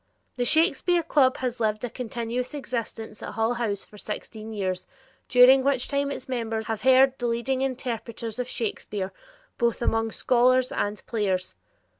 The Shakespeare club has lived a continuous existence at Hull House for sixteen years during which time its members have heard the leading interpreters of Shakespeare, both among scholars and players.